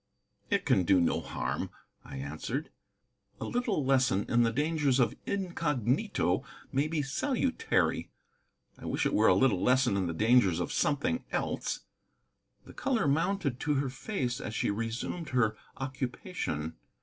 "It can do no harm," I answered; "a little lesson in the dangers of incognito may be salutary. I wish it were a little lesson in the dangers of something else." The color mounted to her face as she resumed her occupation.